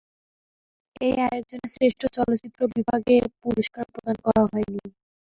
এই আয়োজনে শ্রেষ্ঠ চলচ্চিত্র বিভাগে পুরস্কার প্রদান করা হয়নি।